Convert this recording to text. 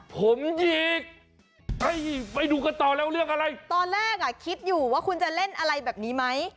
ผมหยิกไปดูกันต่อแล้วเรื่องอะไรตอนแรกอ่ะคิดอยู่ว่าคุณจะเล่นอะไรแบบนี้ไหม